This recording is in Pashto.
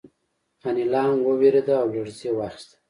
انیلا هم وورېده او لړزې واخیسته